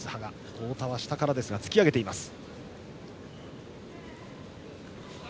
太田は下からですが突き上げています。